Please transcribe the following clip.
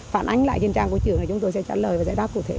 phản ánh lại trên trang của trường này chúng tôi sẽ trả lời và giải đáp cụ thể